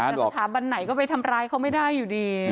แต่สถาบันไหนก็ไปทำร้ายเขาไม่ได้อยู่ดี